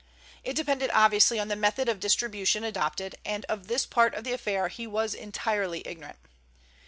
It depended obviously on the method of distribution adopted, and of this part of the affair he was entirely ignorant.